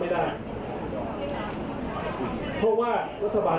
เพราะว่ารัฐบาลเองก็มีงบประมาณจำกัด